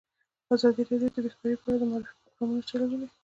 ازادي راډیو د بیکاري په اړه د معارفې پروګرامونه چلولي.